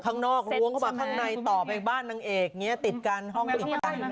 ข้างนอกล้วงเข้ามาข้างในต่อไปบ้านนางเอกเนี่ยติดกันห้องอีกทาง